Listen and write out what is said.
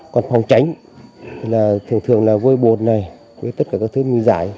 còn phòng tránh thường thường là vôi bột này với tất cả các thứ nguy giải